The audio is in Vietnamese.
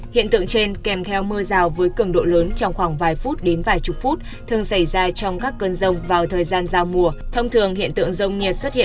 hiện tượng trên kèm theo mưa rào với cường độ lớn trong khoảng vài phút đến vài chục phút thường xảy ra trong các cơn rông vào thời gian rào mùa